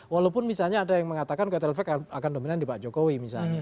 walaupun misalnya ada yang mengatakan kotel efek akan dominan di pak jokowi misalnya